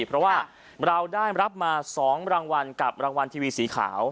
เพราะว่าเราได้รับมา๒รางวัลกับรางวัลทีวีสีขาว